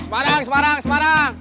semarang semarang semarang